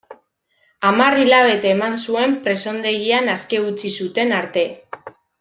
Hamar hilabete eman zuen presondegian aske utzi zuten arte.